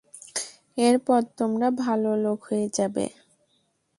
এরপর তোমরা ভাল লোক হয়ে যাবে।